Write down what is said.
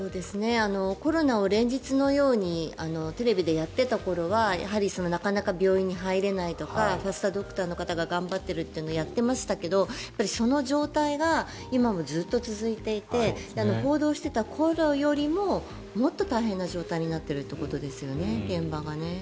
コロナを連日のようにテレビでやっていた頃はやはりなかなか病院に入れないとかファストドクターの方が頑張っているというのをやっていましたけどその状態が今もずっと続いていて報道していた頃よりももっと大変な状態になってるってことですよね、現場が。